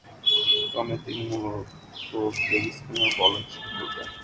দলে তিনি মূলতঃ লেগ স্পিন বোলার হিসেবে খেলতেন।